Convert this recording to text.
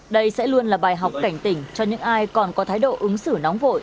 đây sẽ luôn là bài học cảnh tỉnh cho những ai còn có thái độ ứng xử nóng vội